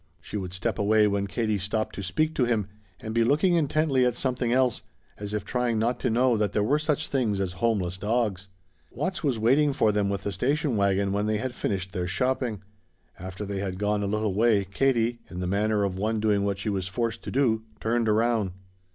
She would step away when Katie stopped to speak to him and be looking intently at something else, as if trying not to know that there were such things as homeless dogs. Watts was waiting for them with the station wagon when they had finished their shopping. After they had gone a little way Katie, in the manner of one doing what she was forced to do, turned around.